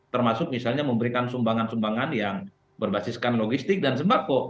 termasuk misalnya memberikan sumbangan sumbangan yang berbasiskan logisnya